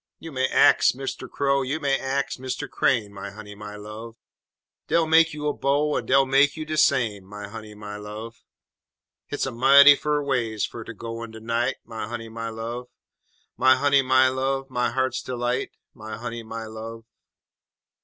You may ax Mister Crow, you may ax Mr. Crane, My honey, my love! Dey'll make you a bow, en dey'll tell you de same, My honey, my love! Hit's a mighty fur ways fer ter go in de night, My honey, my love! _My honey, my love, my heart's delight My honey, my love!